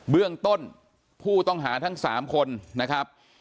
เบื้องต้นผู้ต้องหาทั้ง๓คนนะครับ